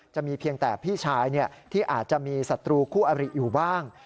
จะมีเพียงแต่พี่ชายที่อาจจะมีศัตรูคู่อริอยู่บ้าง